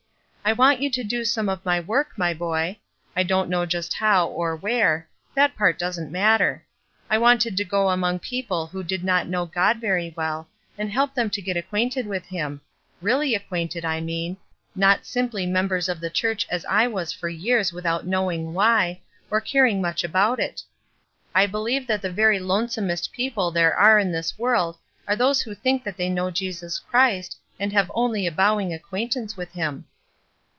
I want you to do some of my work, my boy. I don't knowjust how, or where— that part doesn't matter. I wanted to go among people who did not know God very well, and help them to get acquainted with him: really acquainted, I mean, not simply members of the church as I was for years without knowing why, or caring much about it. I believe that the very lone somest people there are in this world are those who think that they know Jesus Christ, and have only a bowing acquaintance with him."